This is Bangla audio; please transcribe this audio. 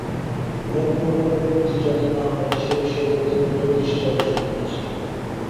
এর পুনরাবৃত্তি যাতে না হয়, সে বিষয়ে কর্তৃপক্ষের দৃষ্টি আকর্ষণ করছি।